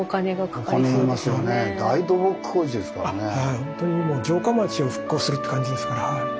ほんとにもう城下町を復興するって感じですから。